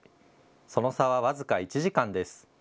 その差は僅か１時間です。